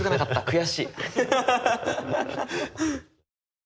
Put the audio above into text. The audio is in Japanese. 悔しい。